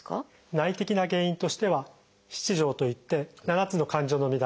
内的な原因としては「七情」といって７つの感情の乱れ。